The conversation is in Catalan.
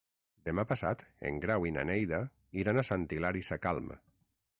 Demà passat en Grau i na Neida iran a Sant Hilari Sacalm.